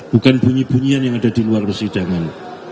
bukan bunyi bunyian yang ada di luar persidangan